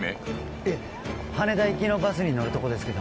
いえ羽田行きのバスに乗るとこですけど☎